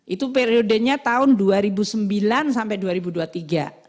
itu periodenya tahun dua ribu sembilan sampai dua ribu dua puluh tiga